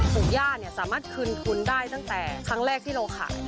ปู่ย่าสามารถคืนทุนได้ตั้งแต่ครั้งแรกที่เราขาย